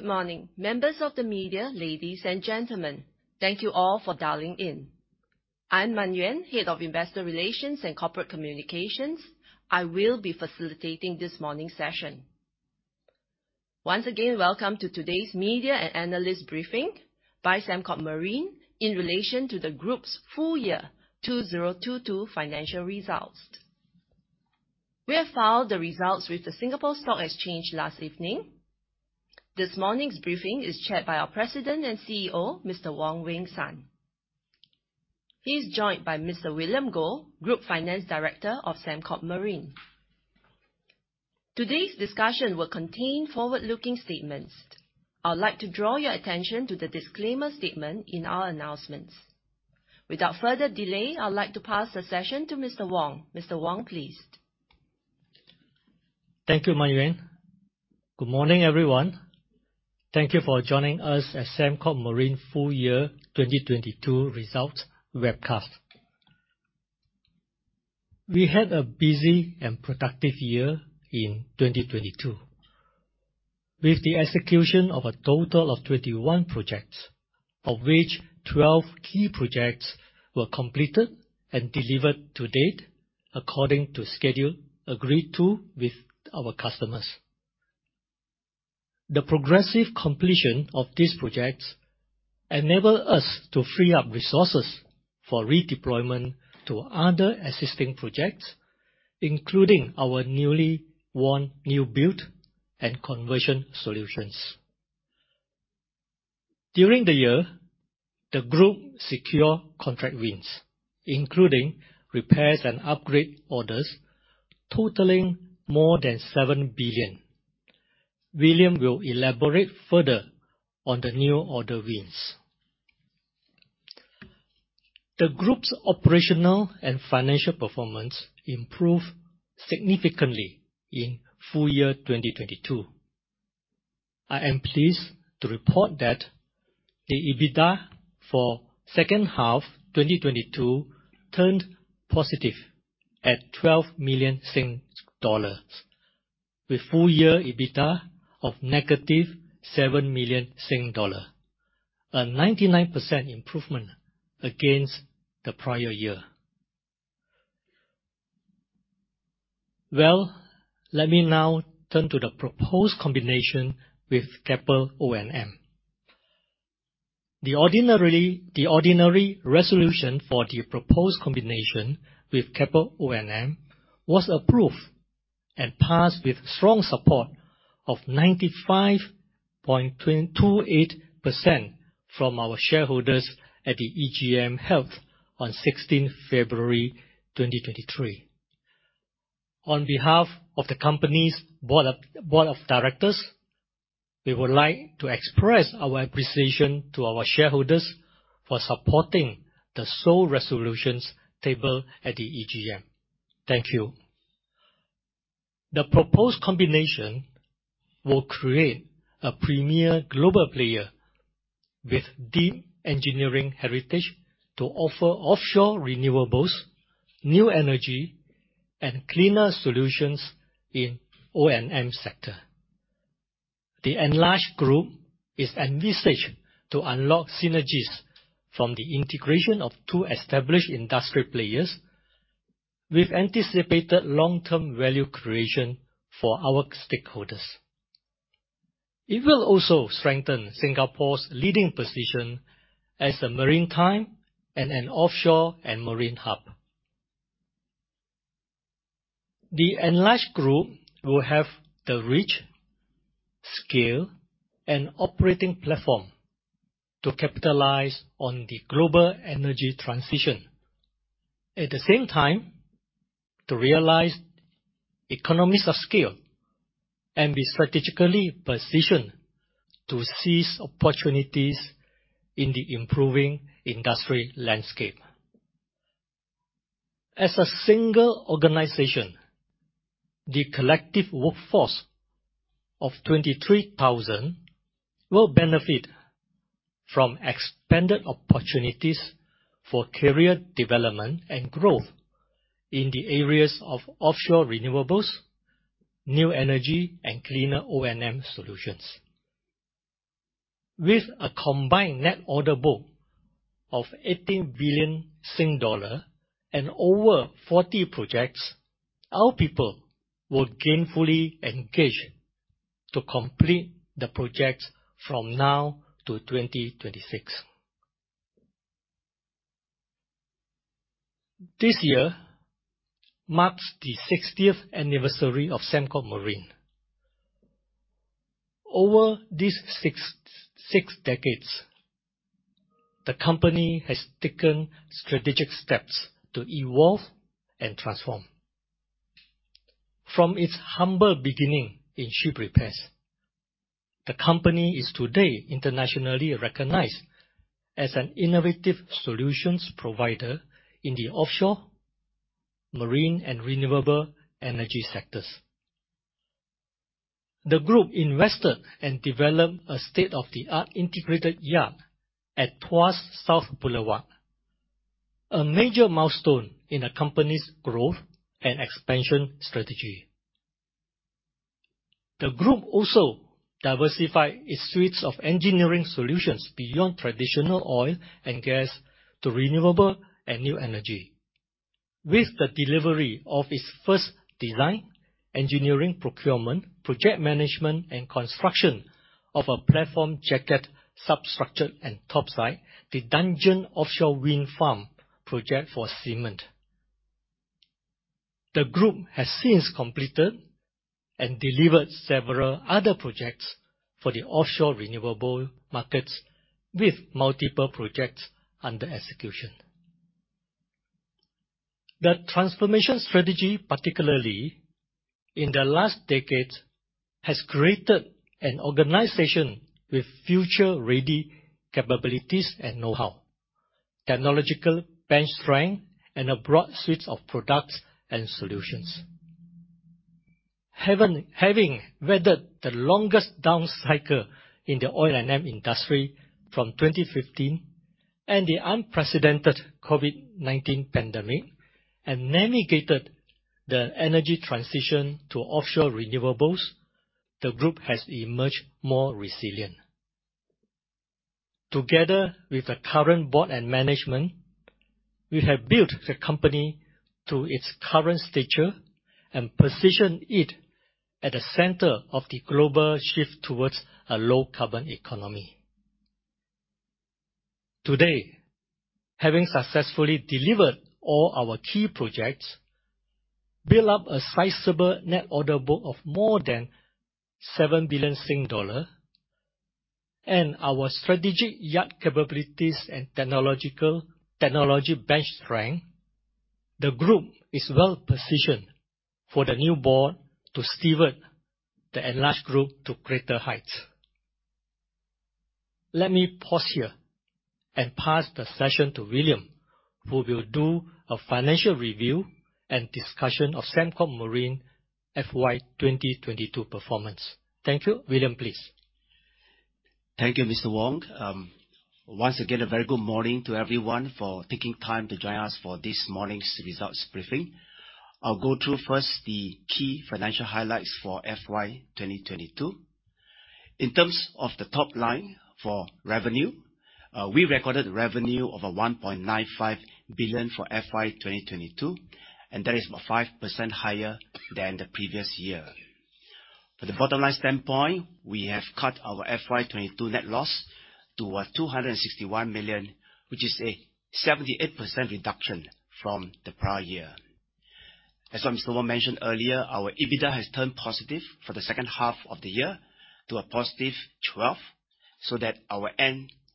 Good morning, members of the media, ladies and gentlemen. Thank you all for dialing in. I'm Man Yuen, Head of Investor Relations and Corporate Communications. I will be facilitating this morning's session. Once again, welcome to today's media and analyst briefing by Sembcorp Marine in relation to the group's full year 2022 financial results. We have filed the results with the Singapore Stock Exchange last evening. This morning's briefing is chaired by our President and CEO, Mr. Wong Weng Sun. He is joined by Mr. William Goh, Group Finance Director of Sembcorp Marine. Today's discussion will contain forward-looking statements. I would like to draw your attention to the disclaimer statement in our announcements. Without further delay, I'd like to pass the session to Mr. Wong. Mr. Wong, please. Thank you, Man Yuen. Good morning, everyone. Thank you for joining us at Sembcorp Marine full year 2022 results webcast. We had a busy and productive year in 2022. With the execution of a total of 21 projects, of which 12 key projects were completed and delivered to date according to schedule agreed to with our customers. The progressive completion of these projects enable us to free up resources for redeployment to other existing projects, including our newly won new build and conversion solutions. During the year, the group secure contract wins, including repairs and upgrade orders totaling more than $ 7 billion. William will elaborate further on the new order wins. The group's operational and financial performance improved significantly in full year 2022. I am pleased to report that the EBITDA for second half 2022 turned positive at $ 12 million. With full year EBITDA of -$ 7 million, a 99% improvement against the prior year. Well, let me now turn to the proposed combination with Keppel O&M. The ordinary resolution for the proposed combination with Keppel O&M was approved and passed with strong support of 95.28% from our shareholders at the EGM held on 16th February 2023. On behalf of the company's board of directors, we would like to express our appreciation to our shareholders for supporting the sole resolutions tabled at the EGM. Thank you. The proposed combination will create a premier global player with deep engineering heritage to offer offshore renewables, new energy, and cleaner solutions in O&M sector. The enlarged group is envisaged to unlock synergies from the integration of two established industry players with anticipated long-term value creation for our stakeholders. It will also strengthen Singapore's leading position as a maritime and an offshore and marine hub. The enlarged group will have the reach, scale, and operating platform to capitalize on the global energy transition. At the same time, to realize economies of scale and be strategically positioned to seize opportunities in the improving industry landscape. As a single organization, the collective workforce of 23,000 will benefit from expanded opportunities for career development and growth in the areas of offshore renewables, new energy, and cleaner O&M solutions. With a combined net order book of $ 80 billion and over 40 projects, our people will gainfully engage to complete the projects from now to 2026. This year marks the 60th anniversary of Sembcorp Marine. Over these six decades, the company has taken strategic steps to evolve and transform. From its humble beginning in ship repairs, the company is today internationally recognized as an innovative solutions provider in the offshore, marine, and renewable energy sectors. The group invested and developed a state-of-the-art integrated yard at Tuas South Boulevard. A major milestone in a company's growth and expansion strategy. The group also diversified its suites of engineering solutions beyond traditional oil and gas to renewable and new energy. With the delivery of its first design, engineering procurement, project management, and construction of a platform jacket substructure and topside, the Dudgeon offshore wind farm project for Siemens. The group has since completed and delivered several other projects for the offshore renewable markets with multiple projects under execution. The transformation strategy, particularly in the last decade, has created an organization with future-ready capabilities and know-how, technological bench strength, and a broad suite of products and solutions. Having weathered the longest down cycle in the oil and M industry from 2015 and the unprecedented COVID-19 pandemic and navigated the energy transition to offshore renewables, the group has emerged more resilient. Together with the current board and management, we have built the company to its current stature and positioned it at the center of the global shift towards a low carbon economy. Today, having successfully delivered all our key projects, build up a sizable net order book of more than $ 7 billion, and our strategic yard capabilities and technology bench strength, the group is well-positioned for the new board to steward the enlarged group to greater heights. Let me pause here and pass the session to William, who will do a financial review and discussion of Sembcorp Marine FY 2022 performance. Thank you. William, please. Thank you, Mr. Wong. Once again, a very good morning to everyone for taking time to join us for this morning's results briefing. I'll go through first the key financial highlights for FY 2022. In terms of the top line for revenue, we recorded revenue of $ 1.95 billion for FY 2022. That is about 5% higher than the previous year. For the bottom line standpoint, we have cut our FY 2022 net loss to $ 261 million, which is a 78% reduction from the prior year. As Mr. Wong mentioned earlier, our EBITDA has turned positive for the second half of the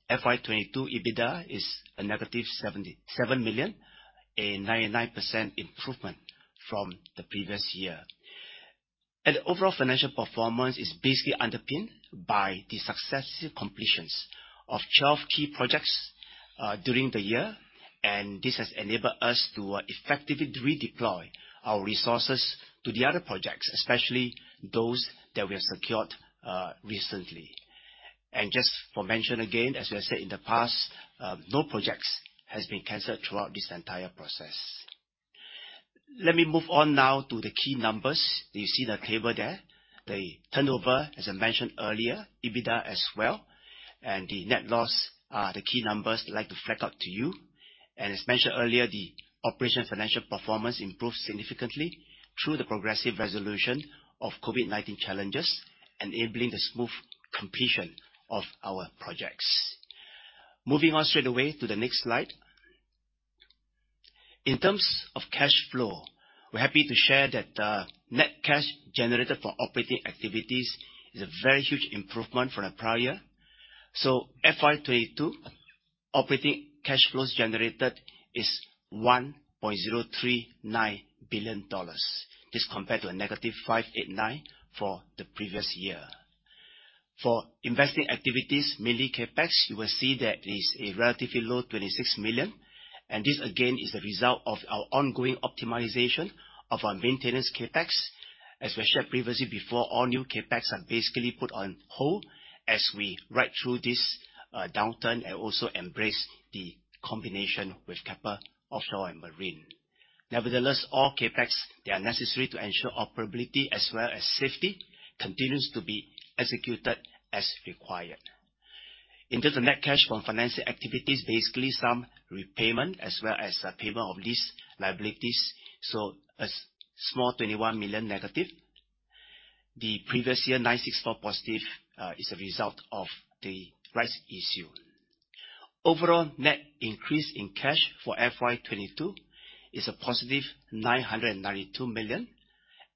year to a +12. That our end FY 2022 EBITDA is a -$ 77 million, a 99% improvement from the previous year. The overall financial performance is basically underpinned by the successive completions of 12 key projects during the year, and this has enabled us to effectively redeploy our resources to the other projects, especially those that we have secured recently. Just for mention again, as we have said in the past, no projects has been canceled throughout this entire process. Let me move on now to the key numbers. Do you see the table there? The turnover, as I mentioned earlier, EBITDA as well, and the net loss are the key numbers I'd like to flag out to you. As mentioned earlier, the operational financial performance improved significantly through the progressive resolution of COVID-19 challenges, enabling the smooth completion of our projects. Moving on straight away to the next slide. In terms of cash flow, we're happy to share that net cash generated from operating activities is a very huge improvement from the prior year. FY 2022 operating cash flows generated is $ 1.039 billion. This compared to a negative $ 589 million for the previous year. For investing activities, mainly CapEx, you will see that it is a relatively low $ 26 million. This again is a result of our ongoing optimization of our maintenance CapEx. As we shared previously before, all new CapEx are basically put on hold as we ride through this downturn and also embrace the combination with Keppel Offshore & Marine. Nevertheless, all CapEx that are necessary to ensure operability as well as safety continues to be executed as required. In terms of net cash from financing activities, basically some repayment as well as the payment of lease liabilities, a small $ 21 million negative. The previous year, $ 964 million positive, is a result of the rights issue. Overall net increase in cash for FY 2022 is a +$ 992 million,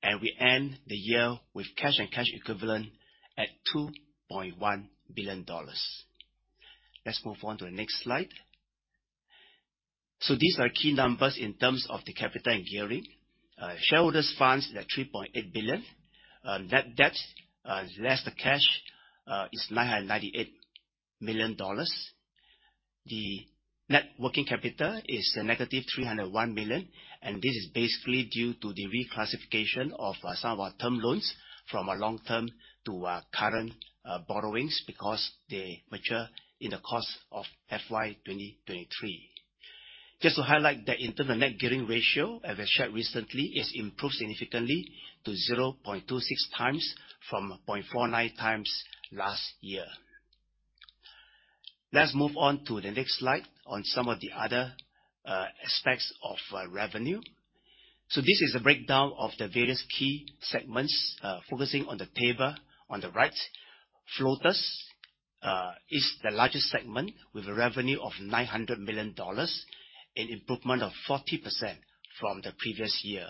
and we end the year with cash and cash equivalent at $ 2.1 billion. Let's move on to the next slide. These are key numbers in terms of the capital and gearing. Shareholders funds is at $ 3.8 billion. Net debt, less the cash, is $ 998 million. The net working capital is a negative $301 million, and this is basically due to the reclassification of some of our term loans from our long-term to our current borrowings because they mature in the course of FY 2023. Just to highlight that in terms of net gearing ratio, as I shared recently, it's improved significantly to 0.26x from 0.49x last year. Let's move on to the next slide on some of the other aspects of revenue. So this is a breakdown of the various key segments focusing on the table on the right. Floaters is the largest segment with a revenue of $900 million, an improvement of 40% from the previous year.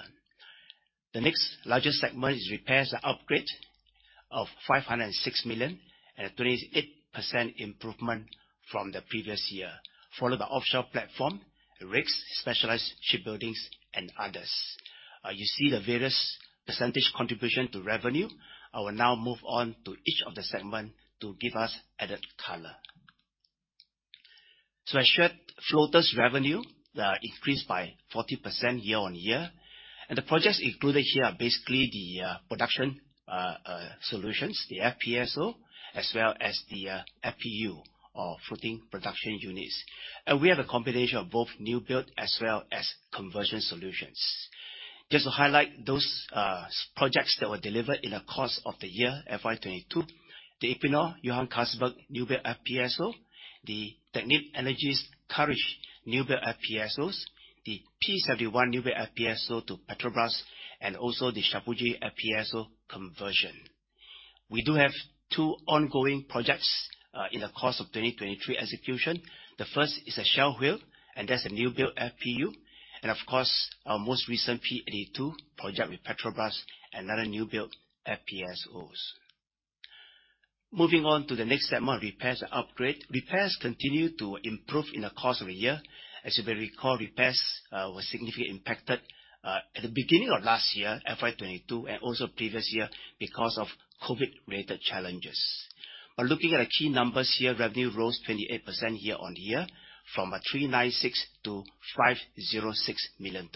The next largest segment is repairs and upgrade of $ 506 million, at 28% improvement from the previous year, followed by offshore platform, rigs, specialized shipbuildings, and others. You see the various percentage contribution to revenue. I will now move on to each of the segment to give us added color. As shared, floaters revenue increased by 40% year-on-year. The projects included here are basically the production solutions, the FPSO, as well as the FPU or floating production units. We have a combination of both new build as well as conversion solutions. Just to highlight those projects that were delivered in the course of the year, FY 2022, the Equinor, Johan Castberg new build FPSO, the Technip Energies Courage new build FPSOs, the P-71 new build FPSO to Petrobras, and also the Chapuji FPSO conversion. We do have two ongoing projects in the course of 2023 execution. The first is a Shell Whale, and that's a new build FPU. Of course, our most recent P-82 project with Petrobras, another new build FPSOs. Moving on to the next segment, repairs and upgrade. Repairs continue to improve in the course of a year. As you may recall, repairs were significantly impacted at the beginning of last year, FY 2022, and also previous year because of COVID-related challenges. Looking at the key numbers here, revenue rose 28% year on year from $ 396 million to $ 506 million.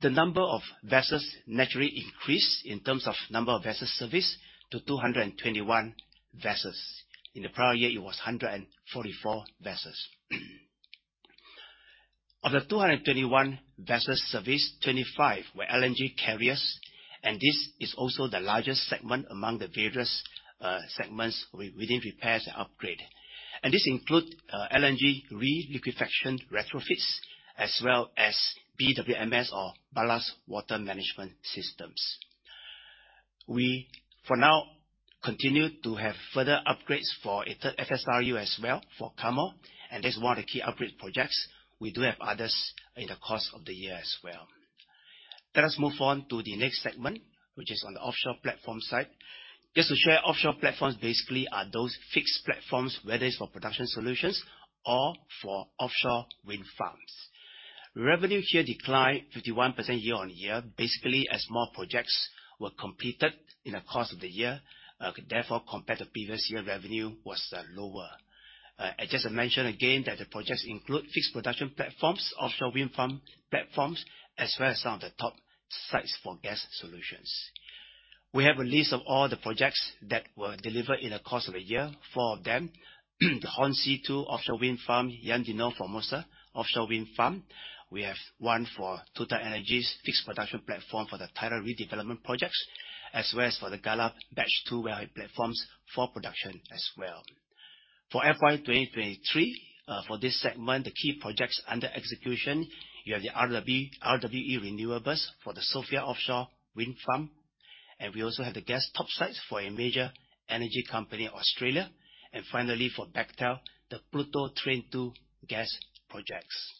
The number of vessels naturally increased in terms of number of vessels serviced to 221 vessels. In the prior year, it was 144 vessels. Of the 221 vessels serviced, 25 were LNG carriers, and this is also the largest segment among the various segments within repairs and upgrade. This include LNG re-liquefaction retrofits as well as BWMS or ballast water management systems. We, for now, continue to have further upgrades for a third FSRU as well for KARMOL, and that's one of the key upgrade projects. We do have others in the course of the year as well. Let us move on to the next segment, which is on the offshore platform side. Just to share, offshore platforms basically are those fixed platforms, whether it's for production solutions or for offshore wind farms. Revenue here declined 51% year-on-year, basically as more projects were completed in the course of the year. Therefore, compared to previous year, revenue was lower. I just mention again that the projects include fixed production platforms, offshore wind farm platforms, as well as some of the top sites for gas solutions. We have a list of all the projects that were delivered in the course of the year. Four of them, the Hornsea Two offshore wind farm, Jan De Nul Formosa offshore wind farm. We have one for TotalEnergies fixed production platform for the Tyra redevelopment projects, as well as for the Gallaf Batch 2 wellhead platforms for production as well. For FY 2023, for this segment, the key projects under execution, you have the RWE Renewables for the Sofia offshore wind farm. We also have the gas topsides for a major energy company in Australia. Finally, for Bechtel, the Pluto Train 2 gas projects.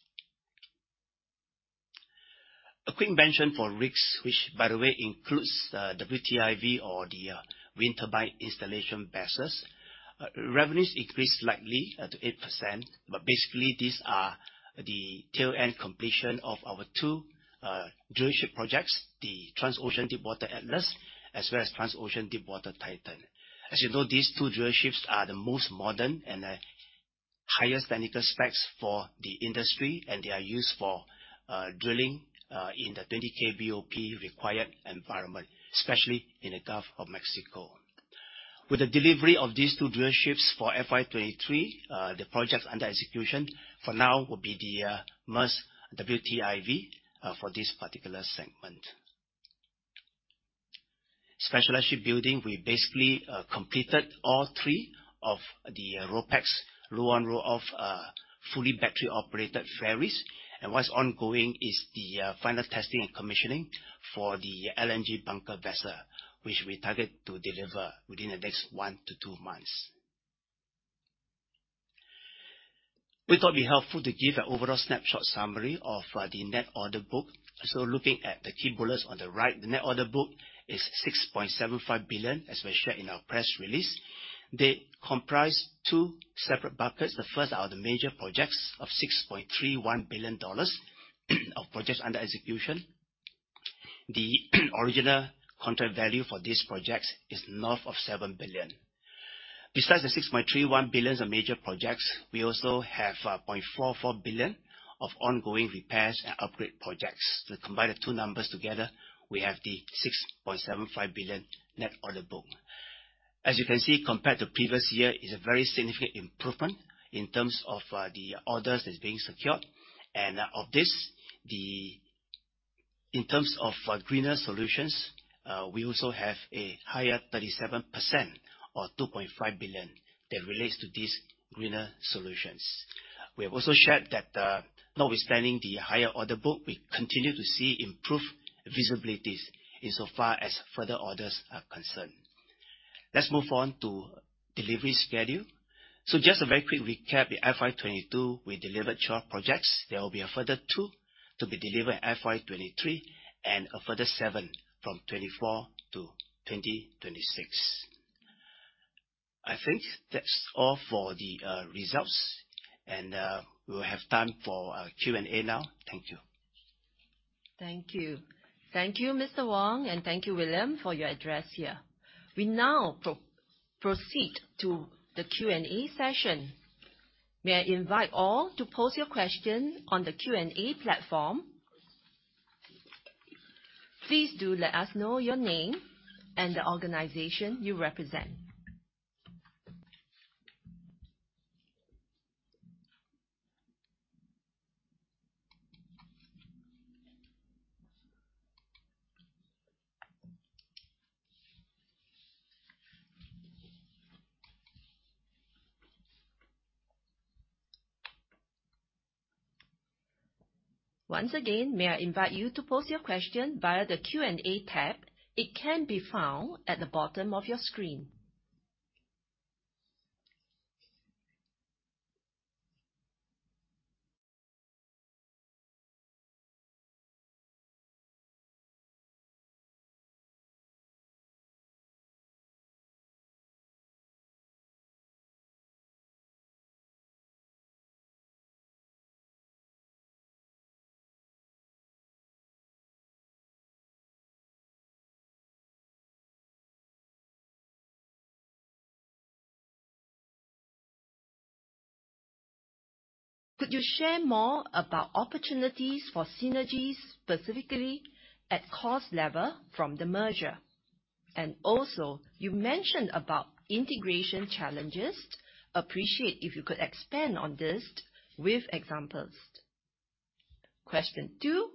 A quick mention for rigs, which by the way, includes WTIV or the wind turbine installation vessels. Revenues increased slightly to 8%, basically these are the tail end completion of our two drillship projects, the Transocean Deepwater Atlas, as well as Transocean Deepwater Titan. As you know, these two drillships are the most modern and highest technical specs for the industry, they are used for drilling in the 20K BOP required environment, especially in the Gulf of Mexico. With the delivery of these two drillships for FY 2023, the projects under execution for now will be the Maersk WTIV for this particular segment. Specialized shipbuilding, we basically completed all three of the RoPax, roll on, roll off, fully battery-operated ferries. What's ongoing is the final testing and commissioning for the LNG bunker vessel, which we target to deliver within the next one to two months. We thought it'd be helpful to give an overall snapshot summary of the net order book. Looking at the key bullets on the right, the net order book is $6.75 billion, as we shared in our press release. They comprise two separate buckets. The first are the major projects of $6.31 billion of projects under execution. The original contract value for these projects is north of $ 7 billion. Besides the $ 6.31 billion of major projects, we also have $ 0.44 billion of ongoing repairs and upgrade projects. To combine the two numbers together, we have the $ 6.75 billion net order book. As you can see, compared to previous year, it's a very significant improvement in terms of the orders that's being secured. Of this, in terms of greener solutions, we also have a higher 37% or $2.5 billion that relates to these greener solutions. We have also shared that, notwithstanding the higher order book, we continue to see improved visibilities insofar as further orders are concerned. Let's move on to delivery schedule. Just a very quick recap. In FY 2022, we delivered 12 projects. There will be a further two to be delivered in FY 2023 and a further seven from 2024 to 2026. I think that's all for the results, and we'll have time for Q&A now. Thank you. Thank you. Thank you, Mr. Wong, and thank you, William, for your address here. We now proceed to the Q&A session. May I invite all to pose your question on the Q&A platform. Please do let us know your name and the organization you represent. Once again, may I invite you to pose your question via the Q&A tab. It can be found at the bottom of your screen. Could you share more about opportunities for synergies, specifically at cost level from the merger? Also you mentioned about integration challenges. Appreciate if you could expand on this with examples. Question two,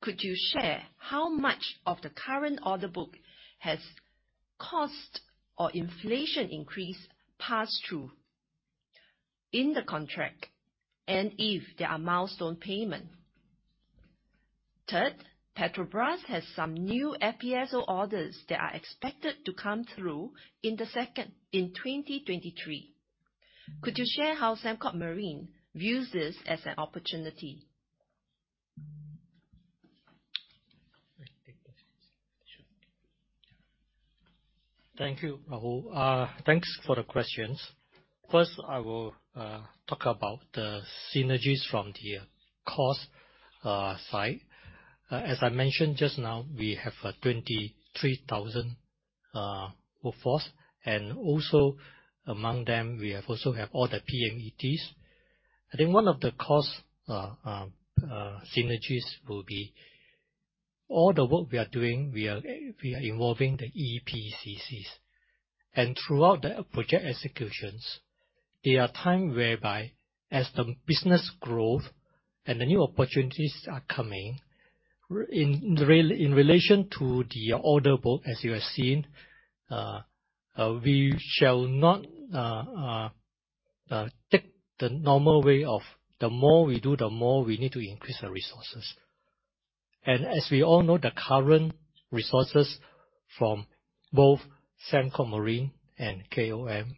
could you share how much of the current order book has cost or inflation increase passed through in the contract, and if there are milestone payment? Third, Petrobras has some new FPSO orders that are expected to come through in 2023. Could you share how Sembcorp Marine views this as an opportunity? Thank you, Rahul. Thanks for the questions. First, I will talk about the synergies from the cost side. As I mentioned just now, we have a 23,000 workforce, and also among them we also have all the PMETs. I think one of the cost synergies will be all the work we are doing, we are involving the EPCCs. Throughout the project executions, there are time whereby as the business growth and the new opportunities are coming in in relation to the order book, as you have seen, we shall not take the normal way of the more we do, the more we need to increase the resources. As we all know, the current resources from both Sembcorp Marine and KOM,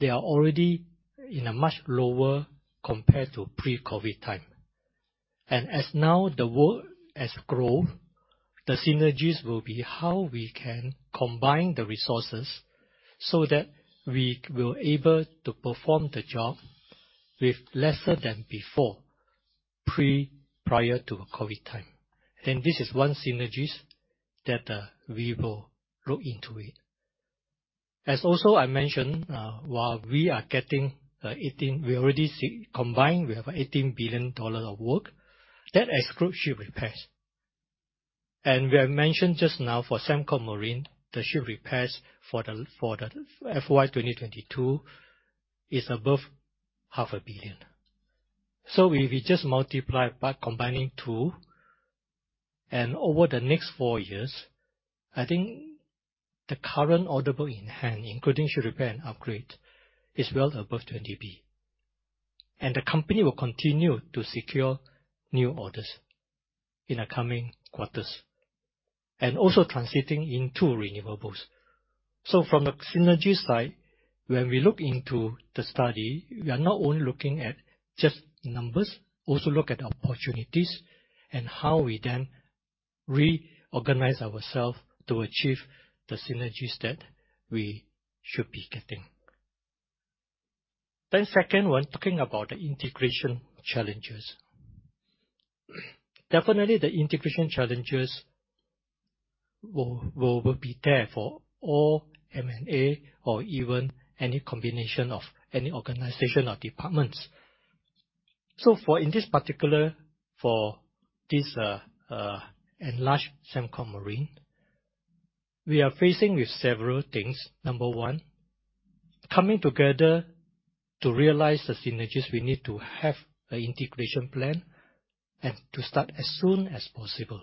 they are already in a much lower compared to pre-COVID time. As now the work has grown, the synergies will be how we can combine the resources so that we will able to perform the job with lesser than before, prior to COVID time. This is one synergies that we will look into it. As also I mentioned, while we are getting, we already combined, we have $18 billion of work that excludes ship repairs. We have mentioned just now for Sembcorp Marine, the ship repairs for the FY 2022 is above half a billion. If we just multiply by combining two and over the next four years, I think the current order book in hand, including ship repair and upgrade, is well above $20 billion. The company will continue to secure new orders in the coming quarters, and also translating into renewables. From the synergy side, when we look into the study, we are not only looking at just numbers, also look at opportunities and how we then reorganize ourself to achieve the synergies that we should be getting. Second one, talking about the integration challenges. Definitely the integration challenges will be there for all M&A or even any combination of any organization or departments. For in this particular, for this enlarged Sembcorp Marine, we are facing with several things. Number one, coming together to realize the synergies we need to have a integration plan and to start as soon as possible.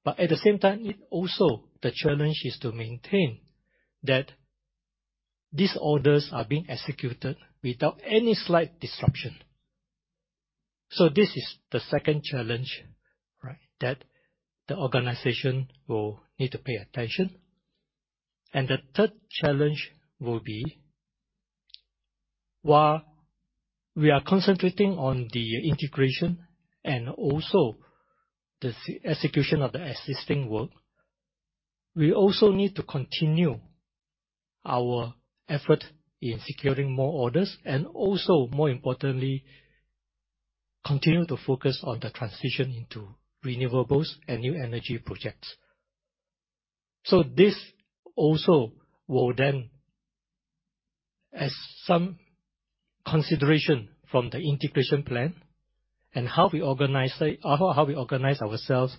At the same time, we also know that we have a current order book of $ 18 billion excluding ship repairs. How will the integration plan? We need to start sooner than later, At the same time, it also the challenge is to maintain that these orders are being executed without any slight disruption. This is the second challenge, right? That the organization will need to pay attention. The third challenge will be, while we are concentrating on the integration and also the execution of the existing work, we also need to continue our effort in securing more orders, and also, more importantly, continue to focus on the transition into renewables and new energy projects. This also will then as some consideration from the integration plan and how we organize, how we organize ourselves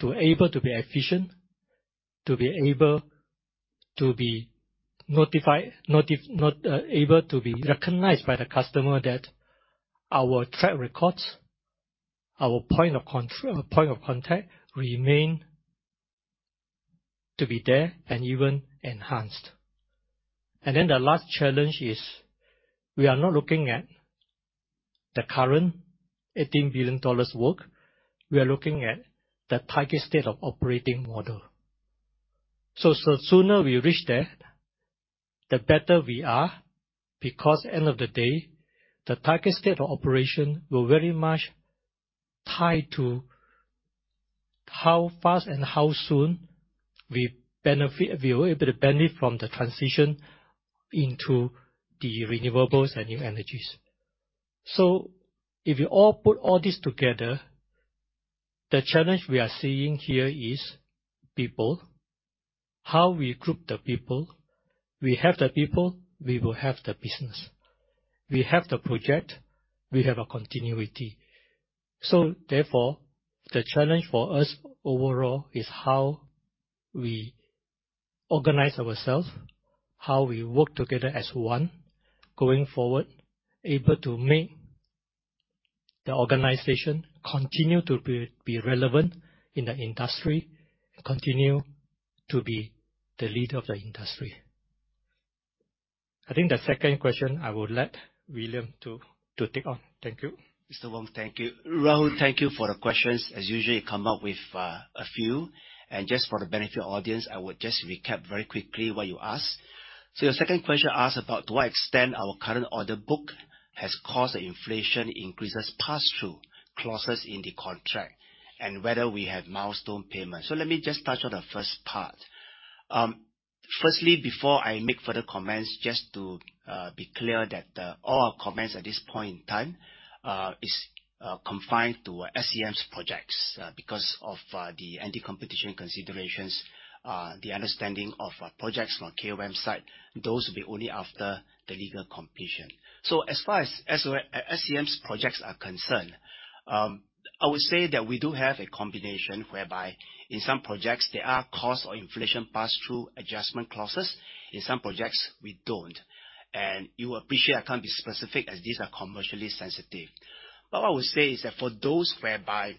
to able to be efficient, to be able to be notified, able to be recognized by the customer that our track records, our point of contact remain to be there and even enhanced. The last challenge is we are not looking at the current $18 billion work. We are looking at the target state of operating model. Sooner we reach there, the better we are because end of the day, the target state of operation will very much tied to how fast and how soon we benefit, we will able to benefit from the transition into the renewables and new energies. If you all put all this together, the challenge we are seeing here is people. How we group the people. We have the people, we will have the business. We have the project, we have a continuity. Therefore, the challenge for us overall is how we organize ourselves, how we work together as one going forward, able to make the organization continue to be relevant in the industry, continue to be the leader of the industry. I think the second question I would let William to take on. Thank you. Mr. Wong, thank you. Rahul, thank you for the questions. As usual, you come up with a few. Just for the benefit of audience, I would just recap very quickly what you asked. Your second question asked about to what extent our current order book has caused the inflation increases pass-through clauses in the contract, and whether we have milestone payments. Let me just touch on the first part. Firstly, before I make further comments, just to be clear that all our comments at this point in time is confined to SCM's projects because of the anti-competition considerations, the understanding of projects from KOM side, those will be only after the legal completion. As far as SCM's projects are concerned, I would say that we do have a combination whereby in some projects there are cost or inflation pass-through adjustment clauses, in some projects we don't. You will appreciate I can't be specific, as these are commercially sensitive. What we say is that for those whereby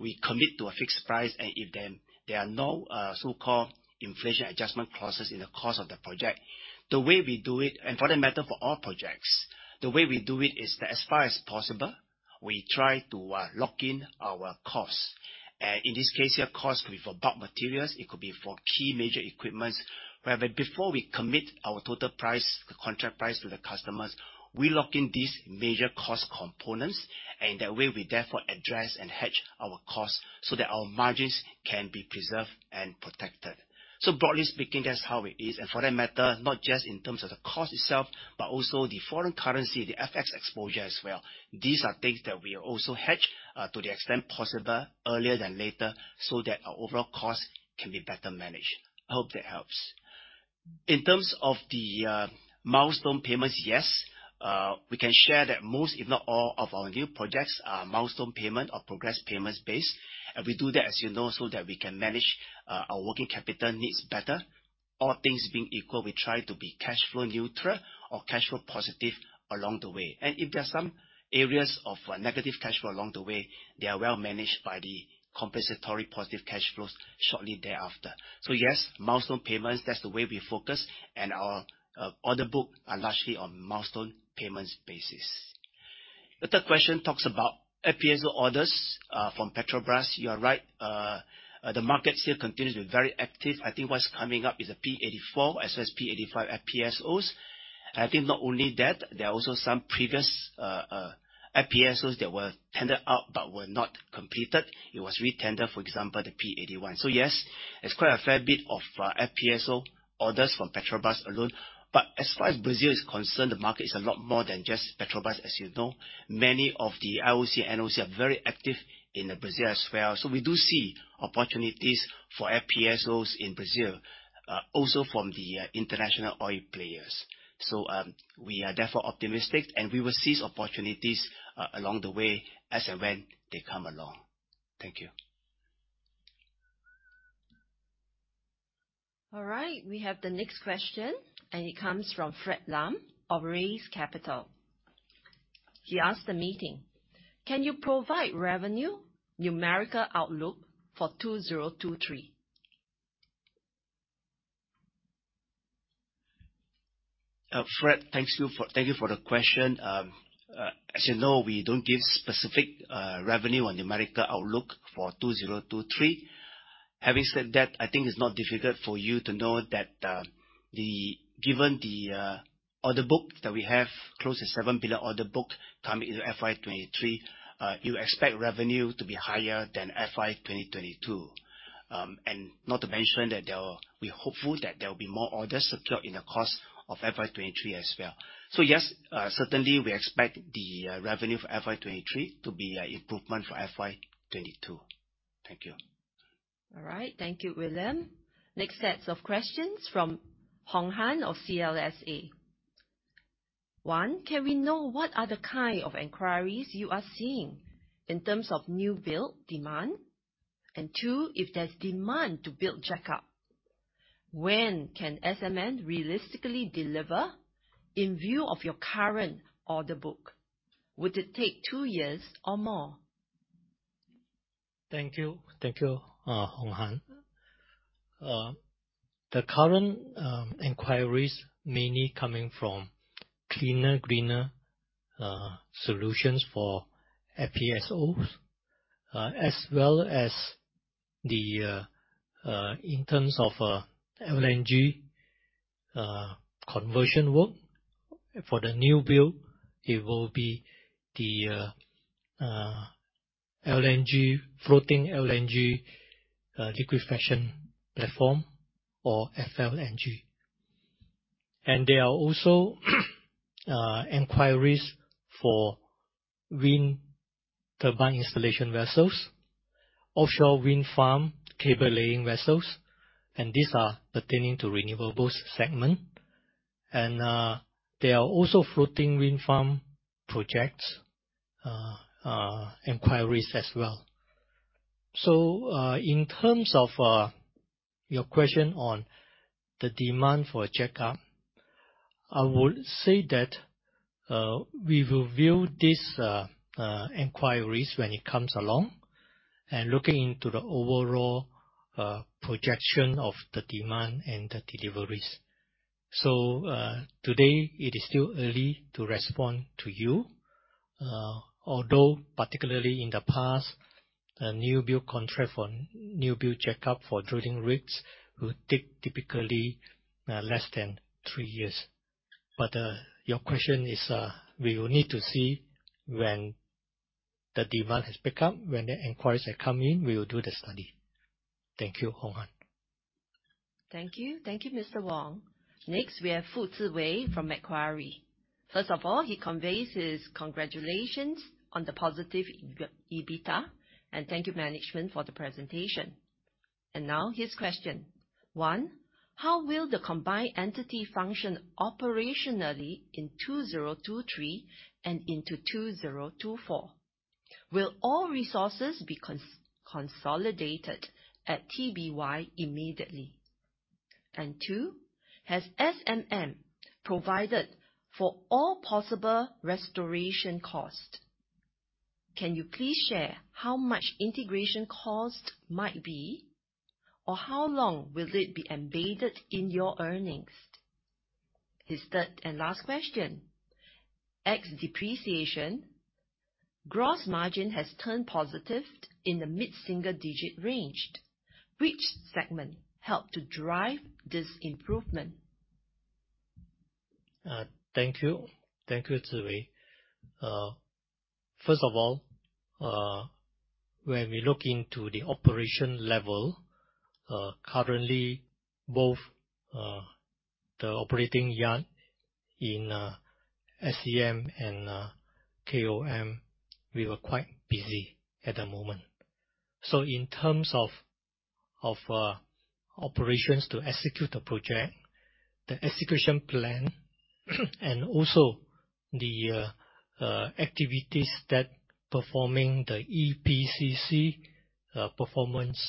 we commit to a fixed price and if then there are no so-called inflation adjustment clauses in the course of the project, the way we do it, and for that matter for all projects, the way we do it is that as far as possible, we try to lock in our costs. In this case here, costs could be for bulk materials, it could be for key major equipments. Whereby before we commit our total price, the contract price to the customers, we lock in these major cost components and that way we therefore address and hedge our costs so that our margins can be preserved and protected. Broadly speaking, that's how it is. For that matter, not just in terms of the cost itself, but also the foreign currency, the FX exposure as well. These are things that we also hedge to the extent possible earlier than later, so that our overall cost can be better managed. I hope that helps. In terms of the milestone payments, yes. We can share that most if not all of our new projects are milestone payment or progress payments based. We do that, as you know, so that we can manage our working capital needs better. All things being equal, we try to be cash flow neutral or cash flow positive along the way. If there are some areas of negative cash flow along the way, they are well managed by the compensatory positive cash flows shortly thereafter. Yes, milestone payments, that's the way we focus and our order book are largely on milestone payments basis. The third question talks about FPSO orders from Petrobras. You are right. The markets here continue to be very active. I think what's coming up is a P-84 as well as P-85 FPSOs. I think not only that, there are also some previous FPSOs that were tendered out but were not completed, it was re-tendered, for example, the P-81. Yes, it's quite a fair bit of FPSO orders from Petrobras alone. As far as Brazil is concerned, the market is a lot more than just Petrobras, as you know. Many of the IOC/NOC are very active in Brazil as well. We do see opportunities for FPSOs in Brazil, also from the international oil players. We are therefore optimistic, and we will seize opportunities along the way as, and when they come along. Thank you. All right, we have the next question, and it comes from Fred Lam of Rays Capital. He asked the meeting, "Can you provide revenue numerical outlook for 2023? Fred, thank you for the question. As you know, we don't give specific revenue or numerical outlook for 2023. Having said that, I think it's not difficult for you to know that, given the order book that we have, close to $ 7 billion order book coming into FY 2023, you expect revenue to be higher than FY 2022. Not to mention that we're hopeful that there will be more orders secured in the course of FY 2023 as well. Yes, certainly we expect the revenue for FY 2023 to be a improvement for FY 2022. Thank you. All right. Thank you, William. Next sets of questions from Hong Han of CLSA. One, can we know what are the kind of inquiries you are seeing in terms of new build demand? Two, if there's demand to build jackup, when can SMM realistically deliver in view of your current order book? Would it take two years or more? Thank you. Thank you, Hong Han. The current inquiries mainly coming from cleaner, greener solutions for FPSOs, as well as in terms of LNG conversion work. For the new build, it will be the LNG, floating LNG liquefaction platform or FLNG. There are also inquiries for wind turbine installation vessels, offshore wind farm cable laying vessels, and these are pertaining to renewables segment. There are also floating wind farm projects inquiries as well. In terms of your question on the demand for a jackup, I would say that we will view these inquiries when it comes along and looking into the overall projection of the demand and the deliveries. Today it is still early to respond to you, although particularly in the past, a new build contract for new build jackup for drilling rigs will take typically, less than three years. Your question is, we will need to see when the demand has picked up. When the inquiries are coming, we will do the study. Thank you, Hong Han. Thank you. Thank you, Mr. Wong. Next, we have Fu Ziwei from Macquarie. First of all, he conveys his congratulations on the positive EBITDA. Thank you, management, for the presentation. Now his question. 1. How will the combined entity function operationally in 2023 and into 2024? Will all resources be consolidated at TBY immediately? Two. Has SMM provided for all possible restoration costs? Can you please share how much integration costs might be? How long will it be embedded in your earnings? His third and last question. Ex-depreciation, gross margin has turned positive in the mid-single-digit range. Which segment helped to drive this improvement? Thank you. Thank you, Ziwei. First of all, when we look into the operation level, currently both the operating yard in SCM and KOM, we were quite busy at the moment. In terms of operations to execute the project, the execution plan, and also the activities that performing the EPCC performance,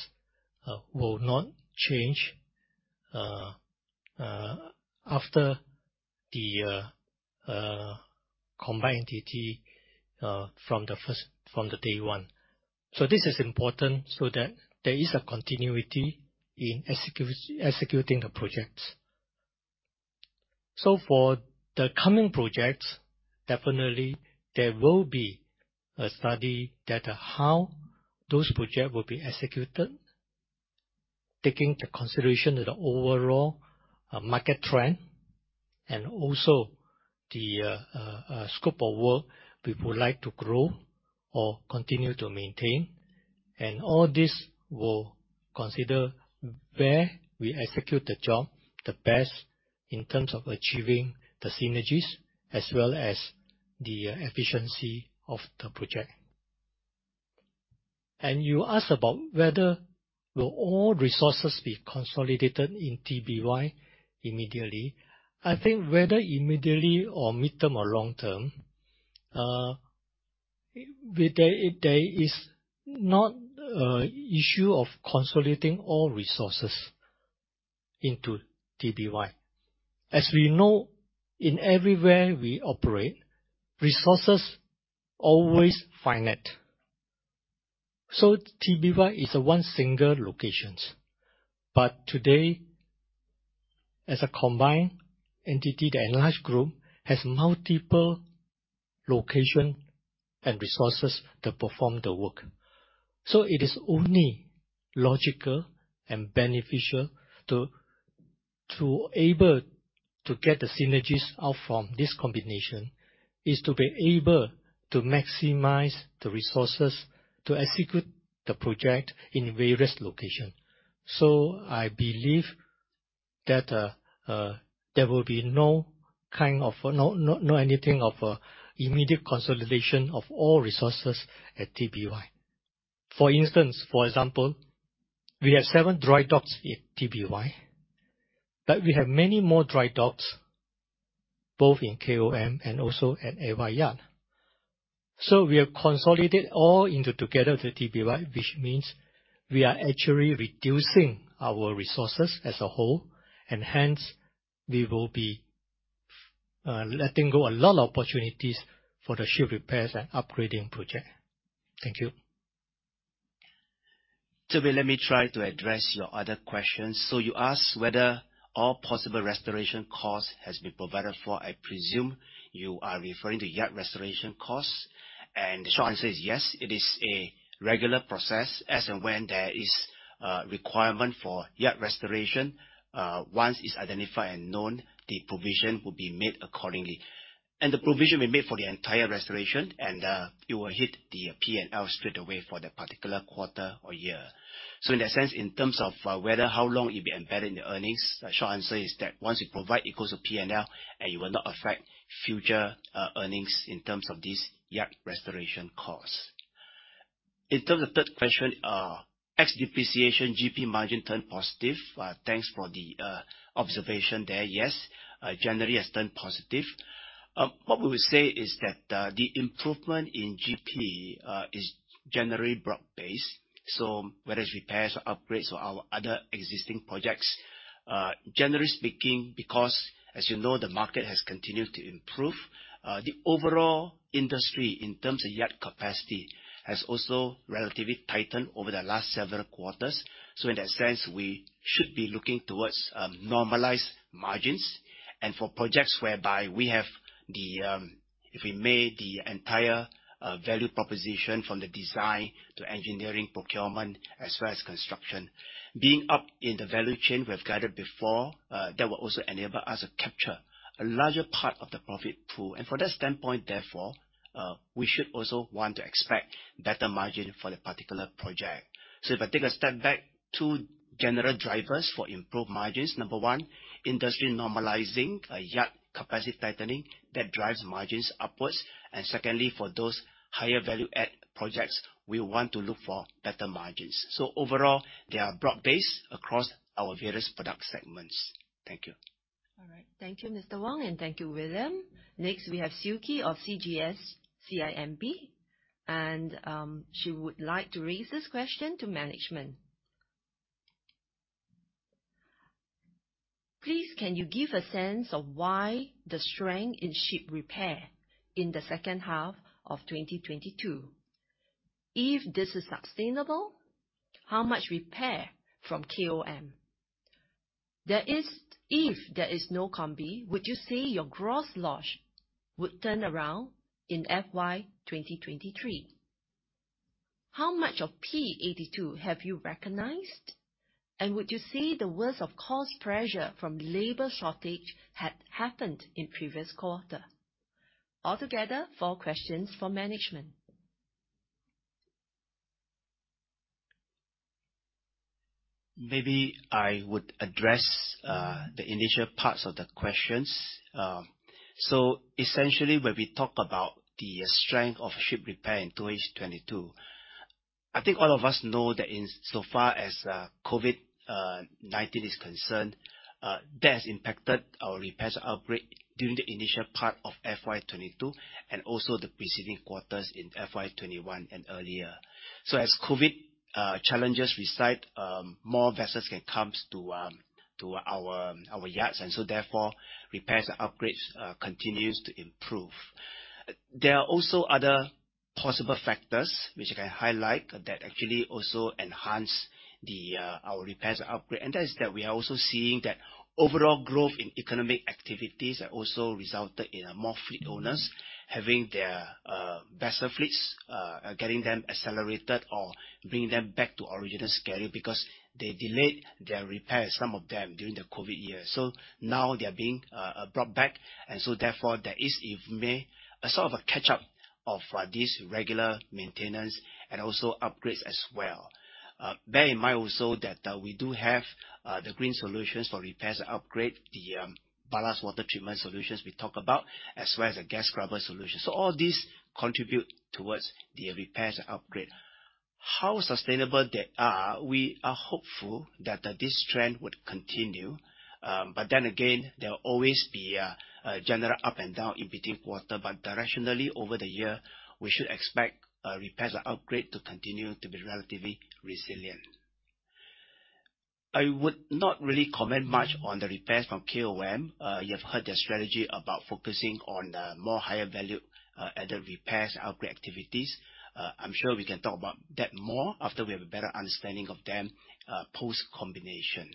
will not change after the combined entity from the day one. This is important so that there is a continuity in executing the projects. For the coming projects, definitely there will be a study that how those projects will be executed. Taking into consideration the overall market trend and also the scope of work, we would like to grow or continue to maintain. All this will consider where we execute the job the best in terms of achieving the synergies as well as the efficiency of the project. You ask about whether will all resources be consolidated in TBY immediately. I think whether immediately or midterm or long term, there is not issue of consolidating all resources into TBY. As we know, in everywhere we operate, resources always finite. TBY is one single locations. Today, as a combined entity, the enlarged group has multiple location and resources to perform the work. It is only logical and beneficial to able to get the synergies out from this combination, is to be able to maximize the resources to execute the project in various locations. I believe that there will be no kind of anything of immediate consolidation of all resources at TBY. For instance, for example, we have 7 dry docks in TBY, but we have many more dry docks both in KOM and also at AY Yard. We are consolidate all into together the TBY, which means we are actually reducing our resources as a whole, and hence, we will be letting go a lot of opportunities for the ship repairs and upgrading project. Thank you. Chew Bee, let me try to address your other questions. You ask whether all possible restoration costs has been provided for. I presume you are referring to yard restoration costs. The short answer is, yes, it is a regular process. As and when there is a requirement for yard restoration, once it's identified and known, the provision will be made accordingly. The provision we made for the entire restoration and it will hit the P&L straight away for that particular quarter or year. In that sense, in terms of whether how long it be embedded in the earnings, the short answer is that once you provide, it goes to P&L, and it will not affect future earnings in terms of this yard restoration costs. In terms of third question, ex depreciation GP margin turned positive. Thanks for the observation there. January has turned positive. What we would say is that the improvement in GP is generally broad-based, so whether it's repairs or upgrades or our other existing projects. Generally speaking, because as you know, the market has continued to improve, the overall industry in terms of yard capacity has also relatively tightened over the last several quarters. In that sense, we should be looking towards normalized margins. For projects whereby we have the, if we may, the entire value proposition from the design to engineering procurement as well as construction. Being up in the value chain, we have guided before, that will also enable us to capture a larger part of the profit pool. From that standpoint, therefore, we should also want to expect better margin for that particular project. If I take a step back, two general drivers for improved margins. Number one, industry normalizing, yard capacity tightening that drives margins upwards. Secondly, for those higher value add projects, we want to look for better margins. Overall, they are broad-based across our various product segments. Thank you. All right. Thank you, Mr. Wong. Thank you, William. Next, we have Siuki of CGS-CIMB. She would like to raise this question to management. Please, can you give a sense of why the strength in ship repair in the second half of 2022? If this is sustainable, how much repair from KOM? If there is no combi, would you say your gross loss would turn around in FY 2023? How much of P-82 have you recognized? Would you say the worst of cost pressure from labor shortage had happened in previous quarter? Altogether, four questions for management. Maybe I would address, the initial parts of the questions. Essentially when we talk about the strength of ship repair in 2H 2022, I think all of us know that in so far as, COVID-19 is concerned, that has impacted our repairs outbreak during the initial part of FY 2022 and also the preceding quarters in FY 2021 and earlier. As COVID challenges recite, more vessels can comes to our yards, therefore repairs and upgrades continues to improve. There are also other possible factors which I can highlight that actually also enhance our repairs upgrade, and that is that we are also seeing that overall growth in economic activities have also resulted in a more fleet owners having their vessel fleets getting them accelerated or bringing them back to original scaling because they delayed their repairs, some of them during the COVID year. Now they are being brought back and so therefore there is, if may, a sort of a catch-up of this regular maintenance and also upgrades as well. Bear in mind also that we do have the green solutions for repairs and upgrade the ballast water treatment solutions we talk about, as well as the gas scrubber solution. All these contribute towards the repairs and upgrade. How sustainable they are, we are hopeful that, this trend would continue. Then again, there will always be, a general up and down in between quarter. Directionally over the year, we should expect, repairs or upgrade to continue to be relatively resilient. I would not really comment much on the repairs from KOM. You have heard their strategy about focusing on, more higher value, added repairs, upgrade activities. I'm sure we can talk about that more after we have a better understanding of them, post-combination.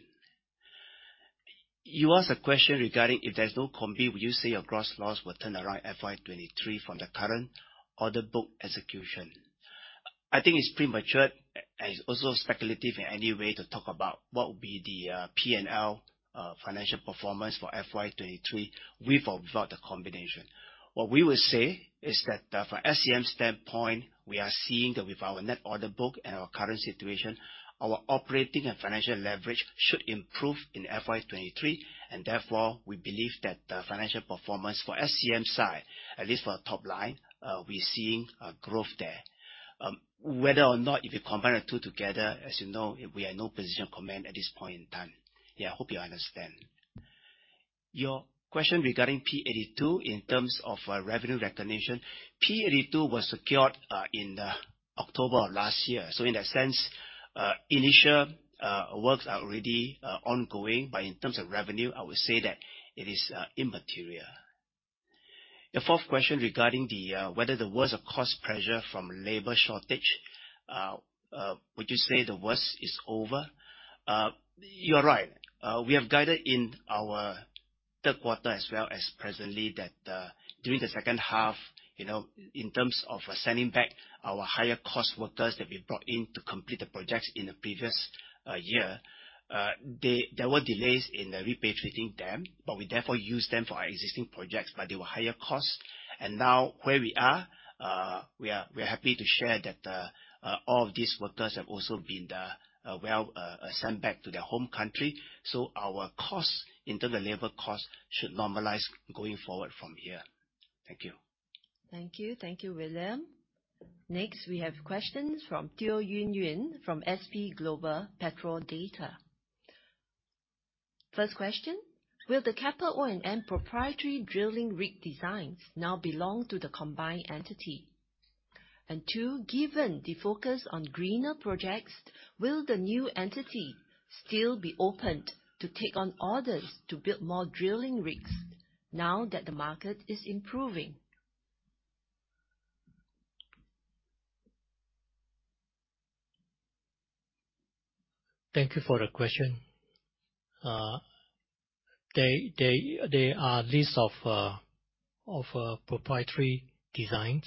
You asked a question regarding if there's no combi, would you say your gross loss will turn around FY 23 from the current order book execution? I think it's premature and it's also speculative in any way to talk about what will be the P&L financial performance for FY 2023 with or without the combination. What we will say is that, from SCM standpoint, we are seeing that with our net order book and our current situation, our operating and financial leverage should improve in FY 2023. Therefore, we believe that the financial performance for SCM side, at least for top line, we're seeing a growth there. Whether or not if you combine the two together, as you know, we are in no position to comment at this point in time. Yeah, I hope you understand. Your question regarding P-82 in terms of revenue recognition. P-82 was secured in October of last year. In that sense, initial works are already ongoing. In terms of revenue, I would say that it is immaterial. The fourth question regarding the whether there was a cost pressure from labor shortage, would you say the worst is over? You are right. We have guided in our third quarter as well as presently that during the second half, you know, in terms of sending back our higher cost workers that we brought in to complete the projects in the previous year. There were delays in repatriating them, but we therefore used them for our existing projects, but they were higher cost. Now where we are, we are happy to share that all of these workers have also been well sent back to their home country. Our costs in terms of labor costs should normalize going forward from here. Thank you. Thank you. Thank you, William. Next, we have questions from Teo Yun Yun from S&P Global Commodity Insights. First question, will the Keppel O&M proprietary drilling rig designs now belong to the combined entity? Two, given the focus on greener projects, will the new entity still be opened to take on orders to build more drilling rigs now that the market is improving? Thank you for the question. They are list of proprietary designs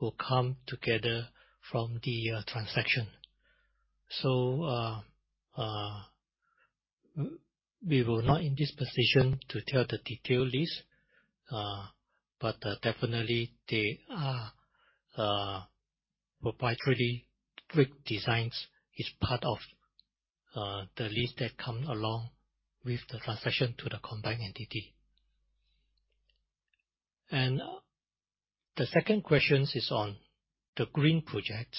will come together from the transaction. We were not in this position to tell the detailed list. Definitely they are proprietary rig designs is part of the list that come along with the transaction to the combined entity. The second question is on the green project.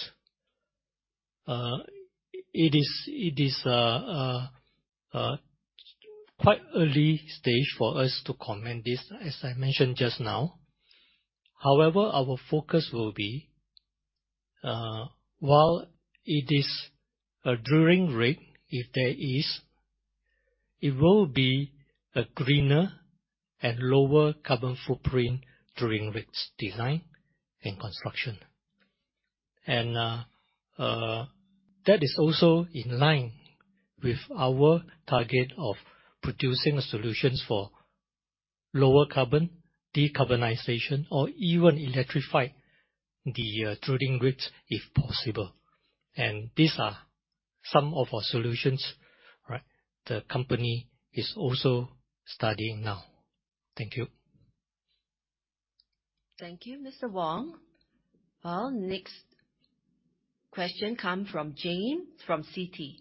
It is quite early stage for us to comment this, as I mentioned just now. However, our focus will be, while it is a drilling rig, if there is, it will be a greener and lower carbon footprint drilling rigs design and construction. That is also in line with our target of producing solutions for lower carbon, decarbonization or even electrify the drilling rigs if possible. These are some of our solutions, right. The company is also studying now. Thank you. Thank you, Mr. Wong. Our next question come from Jane from Citi.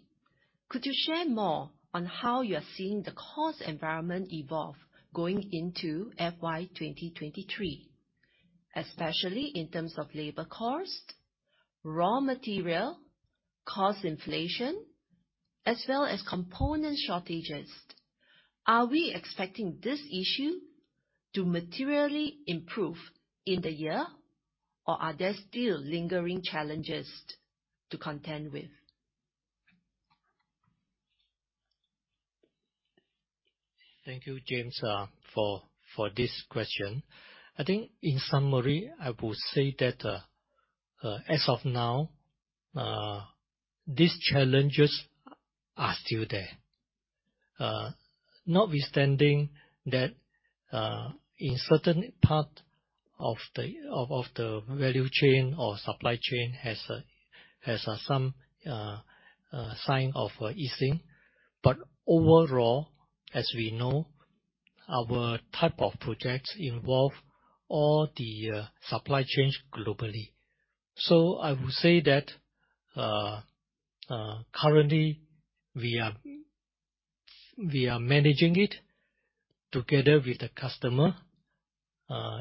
Could you share more on how you are seeing the cost environment evolve going into FY 2023, especially in terms of labor cost, raw material, cost inflation, as well as component shortages? Are we expecting this issue to materially improve in the year, or are there still lingering challenges to contend with? Thank you, James, for this question. I think in summary, I would say that as of now, these challenges are still there. Notwithstanding that, in certain part of the value chain or supply chain has some sign of easing. Overall, as we know, our type of projects involve all the supply chains globally. I would say that currently we are managing it together with the customer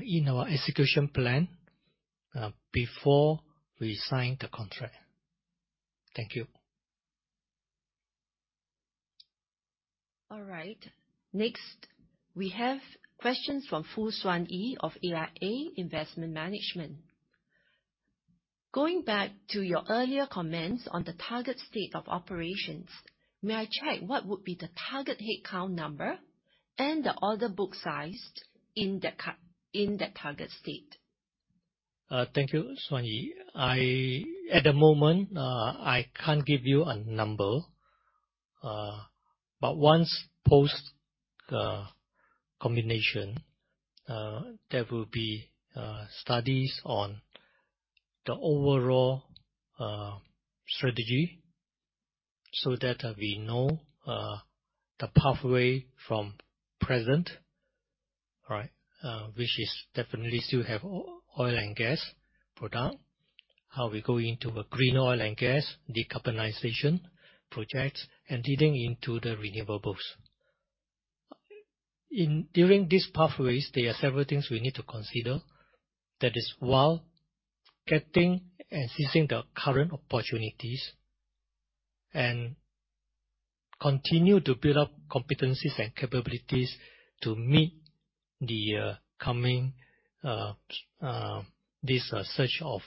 in our execution plan before we sign the contract. Thank you. All right. Next, we have questions from Foo Suan Yee of AIA Investment Management. Going back to your earlier comments on the target state of operations, may I check what would be the target headcount number and the order book size in the target state? Thank you, Suan Yee. At the moment, I can't give you a number. Once post combination, there will be studies on the overall strategy so that we know the pathway from present, right? Which is definitely still have oil and gas product. How we go into a green oil and gas decarbonization projects and leading into the renewables. During these pathways, there are several things we need to consider. That is, while getting and seizing the current opportunities and continue to build up competencies and capabilities to meet the coming this surge of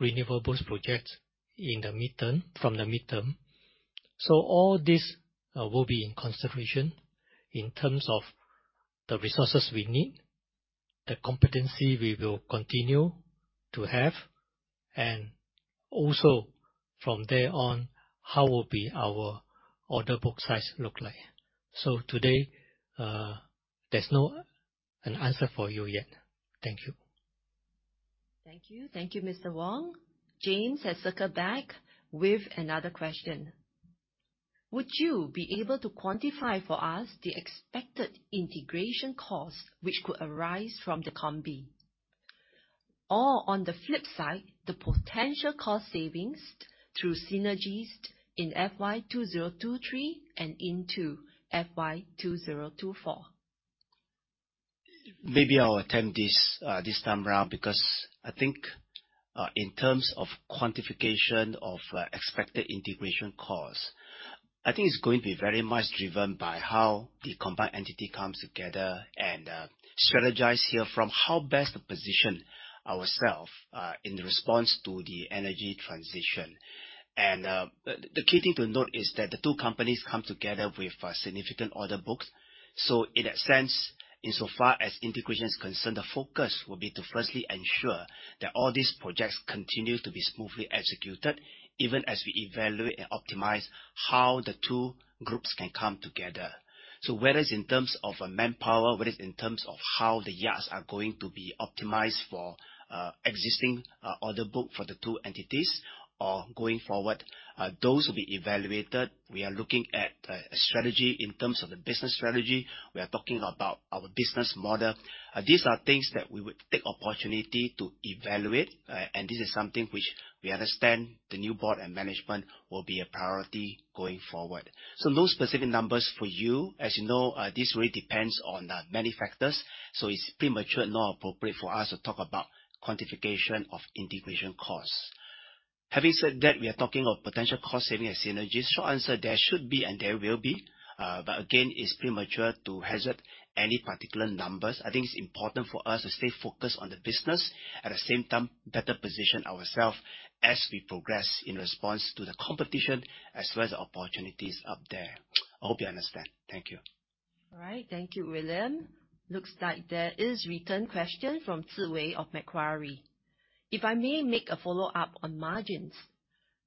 renewables projects in the midterm, from the midterm. All this will be in consideration in terms of the resources we need, the competency we will continue to have. Also from there on, how will be our order book size look like? Today, there's no, an answer for you yet. Thank you. Thank you. Thank you, Mr. Wong. James has circled back with another question. Would you be able to quantify for us the expected integration costs which could arise from the combi? On the flip side, the potential cost savings through synergies in FY 2023 and into FY 2024? Maybe I'll attempt this time round, because I think, in terms of quantification of expected integration costs, I think it's going to be very much driven by how the combined entity comes together and strategize here from how best to position ourself in response to the energy transition. The key thing to note is that the two companies come together with significant order books. In that sense, insofar as integration is concerned, the focus will be to firstly ensure that all these projects continue to be smoothly executed, even as we evaluate and optimize how the two groups can come together. Whether it's in terms of manpower, whether it's in terms of how the yards are going to be optimized for existing order book for the two entities or going forward, those will be evaluated. We are looking at a strategy in terms of the business strategy. We are talking about our business model. These are things that we would take opportunity to evaluate, and this is something which we understand the new board and management will be a priority going forward. No specific numbers for you. As you know, this really depends on many factors. It's premature, not appropriate for us to talk about quantification of integration costs. Having said that, we are talking of potential cost saving and synergies. Short answer, there should be and there will be. Again, it's premature to hazard any particular numbers. I think it's important for us to stay focused on the business, at the same time, better position ourself as we progress in response to the competition as well as the opportunities out there. I hope you understand. Thank you. All right. Thank you, William. Looks like there is return question from Ziwei of Macquarie. If I may make a follow-up on margins.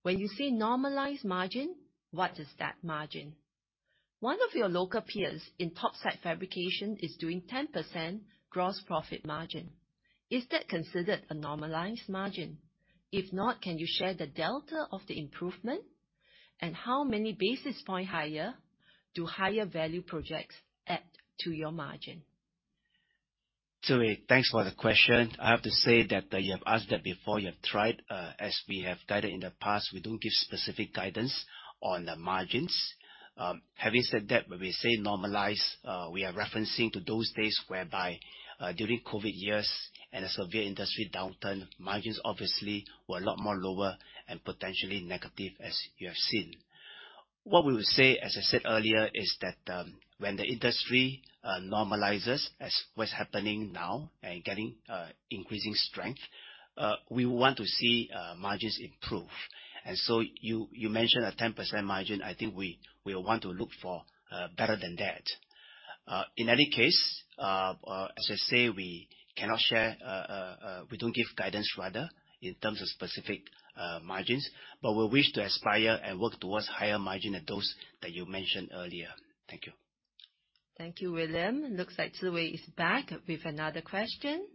When you say normalized margin, what is that margin? One of your local peers in topside fabrication is doing 10% gross profit margin. Is that considered a normalized margin? If not, can you share the delta of the improvement? How many basis point higher do higher value projects add to your margin? Ziwei, thanks for the question. I have to say that you have asked that before. You have tried. As we have guided in the past, we don't give specific guidance on the margins. Having said that, when we say normalized, we are referencing to those days whereby during COVID years and a severe industry downturn, margins obviously were a lot more lower and potentially negative as you have seen. What we would say, as I said earlier, is that when the industry normalizes as what's happening now and getting increasing strength, we want to see margins improve. You mentioned a 10% margin. I think we want to look for better than that. In any case, as I say, we cannot share, we don't give guidance rather, in terms of specific margins, but we wish to aspire and work towards higher margin than those that you mentioned earlier. Thank you. Thank you, William. Looks like Tzu Wei is back with another question.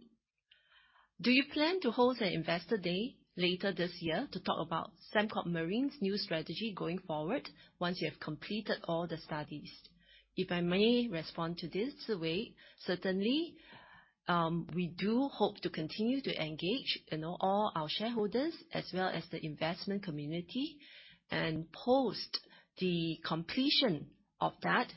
Do you plan to host an investor day later this year to talk about Sembcorp Marine's new strategy going forward once you have completed all the studies? If I may respond to this, Tzu Wei, certainly, we do hope to continue to engage, you know, all our shareholders as well as the investment community. Post the completion of that,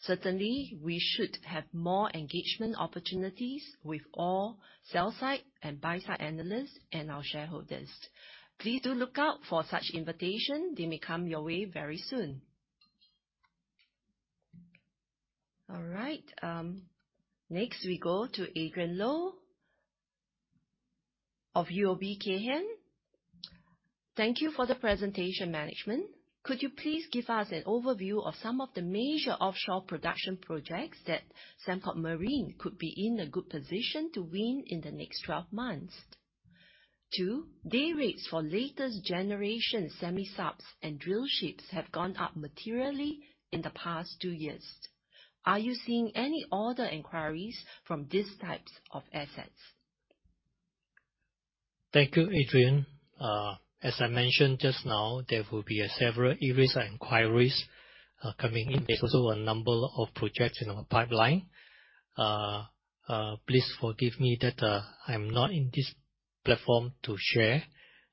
certainly we should have more engagement opportunities with all sell side and buy side analysts and our shareholders. Please do look out for such invitation. They may come your way very soon. All right, next we go to Adrian Low of UOB Kay Hian. Thank you for the presentation, management. Could you please give us an overview of some of the major offshore production projects that Sembcorp Marine could be in a good position to win in the next 12 months? Two. Dayrates for latest generation semi-subs and drillships have gone up materially in the past two years. Are you seeing any other inquiries from these types of assets? Thank you, Adrian. As I mentioned just now, there will be several areas and inquiries coming in. There's also a number of projects in our pipeline. Please forgive me that I'm not in this platform to share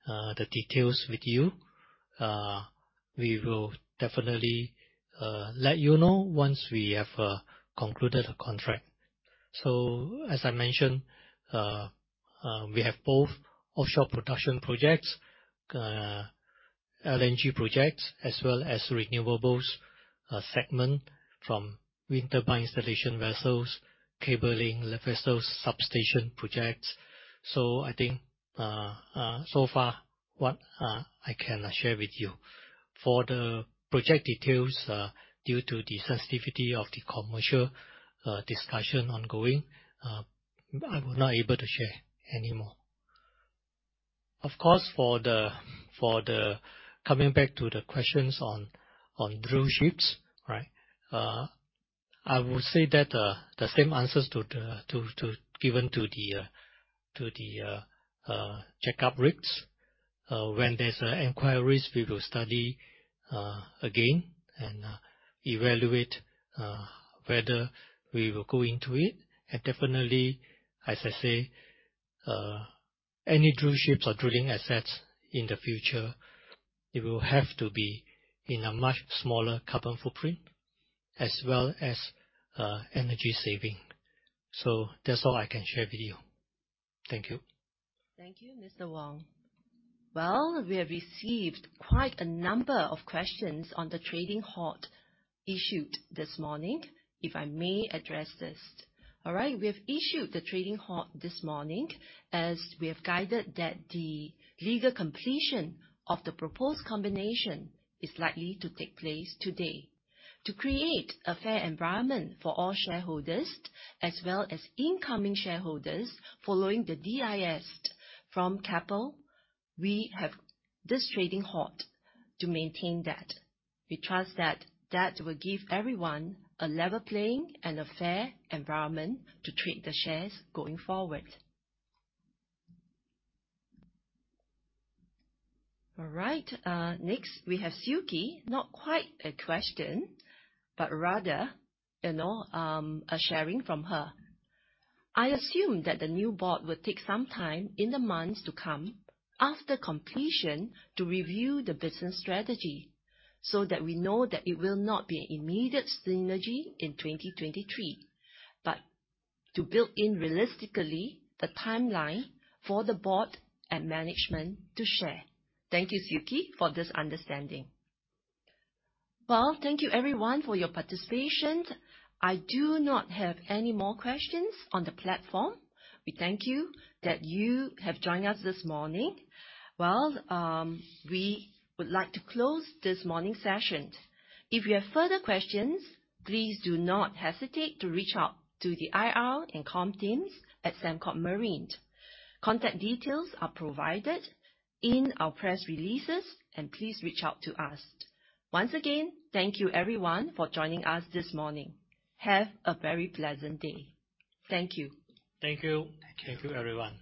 the details with you. We will definitely let you know once we have concluded a contract. As I mentioned, we have both offshore production projects, LNG projects, as well as renewables segment from wind turbine installation vessels, cabling vessels, substation projects. I think so far what I can share with you. For the project details, due to the sensitivity of the commercial discussion ongoing, I'm not able to share anymore. Of course, coming back to the questions on drill ships, right? I would say that the same answers given to the jackup rigs. When there's inquiries, we will study again and evaluate whether we will go into it. Definitely, as I say, any drill ships or drilling assets in the future, it will have to be in a much smaller carbon footprint, as well as energy saving. That's all I can share with you. Thank you. Thank you, Mr. Wong. Well, we have received quite a number of questions on the trading halt issued this morning. If I may address this. All right, we have issued the trading halt this morning as we have guided that the legal completion of the proposed combination is likely to take place today. To create a fair environment for all shareholders as well as incoming shareholders following the DIS from Keppel, we have this trading halt to maintain that. We trust that that will give everyone a level playing and a fair environment to trade the shares going forward. All right, next we have Siu Ki. Not quite a question, but rather, you know, a sharing from her. I assume that the new board will take some time in the months to come after completion to review the business strategy, so that we know that it will not be an immediate synergy in 2023, but to build in realistically the timeline for the board and management to share. Thank you, Siu Ki, for this understanding. Well, we would like to close this morning's session. If you have further questions, please do not hesitate to reach out to the IR and comm teams at Sembcorp Marine. Contact details are provided in our press releases and please reach out to us. Once again, thank you everyone for joining us this morning. Have a very pleasant day. Thank you. Thank you. Thank you, everyone.